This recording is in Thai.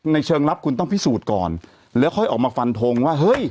เชิงลับคุณต้องพิสูจน์ก่อนแล้วค่อยออกมาฟันทงว่าเฮ้ย